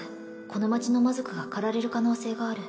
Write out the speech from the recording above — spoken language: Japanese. この町の魔族が狩られる可能性がある